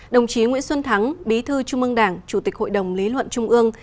đồng chí nguyễn xuân thắng bí thư trung ương đảng chủ tịch hội đồng lý luận trung ương